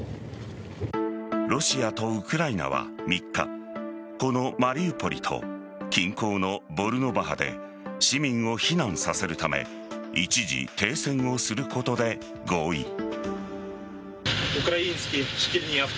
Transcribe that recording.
ロシアとウクライナは３日このマリウポリと近郊のボルノバハで市民を避難させるため一時、停戦をすることで合意。